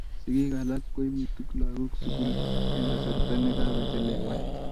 sikiik alak koimutuk lagok sukul eng kasarta ne kakochelewan.